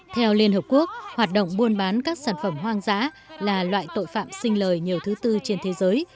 theo liên hợp quốc hoạt động buôn bán các sản phẩm hoang dã là loại tội phạm sinh lời nhiều thứ tư trên thế giới